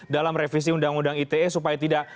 dalam revisi undang undang ite supaya tidak